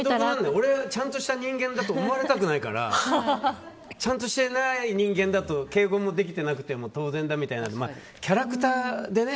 俺、ちゃんとした人間だと思われたくないからちゃんとしてない人間だと敬語もできてなくても当然だみたいなキャラクターでね。